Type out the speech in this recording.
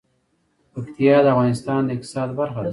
پکتیا د افغانستان د اقتصاد برخه ده.